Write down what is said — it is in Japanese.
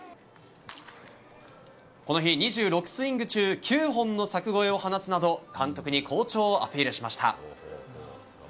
この日、２６スイング中９本の柵越えを放つなど監督に好調をアピールしました。